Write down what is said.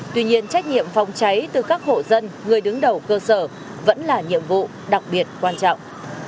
tuy nhiên trách nhiệm phòng cháy từ các hộ dân người đứng đầu cơ sở vẫn là nhiệm vụ đặc biệt quan trọng